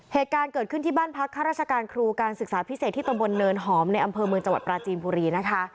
เหตุการณ์เกิดขึ้นที่บ้านพักข้าราชการครูการศึกษาพิเศษที่ตำบลเนินหอมในอำเภอเมืองจังหวัดปราจีนบุรีนะคะ